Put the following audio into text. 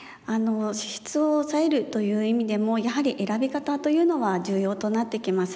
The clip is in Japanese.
脂質を抑えるという意味でもやはり選び方というのは重要となってきます。